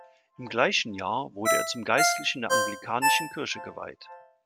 Im gleichen Jahr wurde er zum Geistlichen der anglikanischen Kirche geweiht.